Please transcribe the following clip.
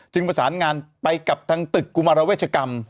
ประสานงานไปกับทางตึกกุมารเวชกรรม